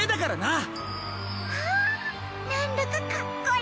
あなんだかかっこいいな。